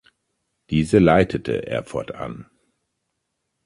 Diese leitete er fortan.